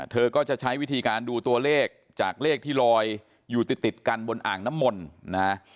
เธอก็จะใช้วิธีการดูตัวเลขจากเลขที่ลอยอยู่ติดติดกันบนอ่างน้ำมนต์นะฮะ